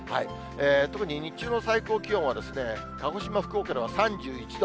特に日中の最高気温は鹿児島、福岡では３１度。